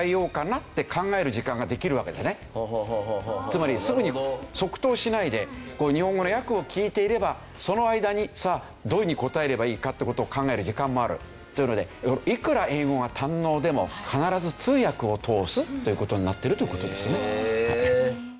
つまりすぐに即答しないで日本語の訳を聞いていればその間にどういうふうに答えればいいかって事を考える時間もあるというのでいくら英語が堪能でも必ず通訳を通すという事になっているという事ですね。